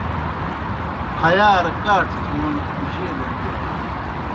پھیارہ کاٹھہ تھون جیلڑ گِیانیْ۔